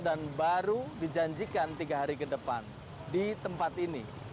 dan baru dijanjikan tiga hari ke depan di tempat ini